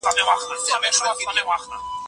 پانګونه باید نوي ظرفیتونه رامنځته کړي.